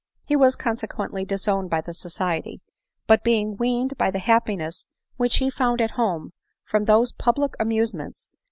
He was consequently dis owned by the society; but being weaned by the happiness which he found at home from those public amusements 396 ADELINE MOWBRAY.